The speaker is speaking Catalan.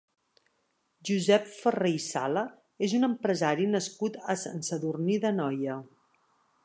Josep Ferrer i Sala és un empresari nascut a Sant Sadurní d'Anoia.